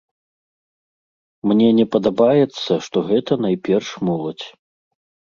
Мне не падабаецца, што гэта найперш моладзь.